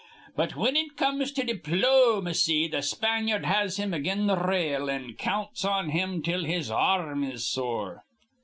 But, whin it comes to di plo macy, th' Spanyard has him again th' rail, an' counts on him till his ar rm is sore."